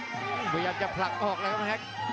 พยายามจะผลักออกแล้วครับ